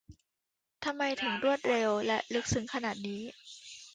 ทำไมถึงรวดเร็ว และ ลึกซึ้งขนาดนี้ !